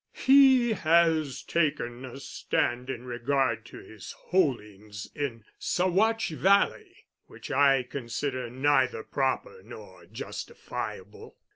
He has taken a stand in regard to his holdings in Saguache Valley which I consider neither proper nor justifiable.